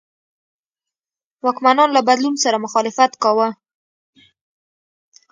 واکمنان له بدلون سره مخالفت کاوه.